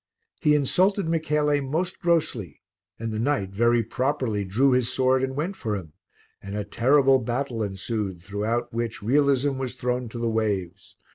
He insulted Michele most grossly, and the knight very properly drew his sword and went for him, and a terrible battle ensued throughout which realism was thrown to the waves.